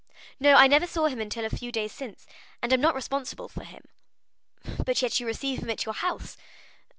"No, I never saw him until a few days since, and am not responsible for him." "But you receive him at your house?"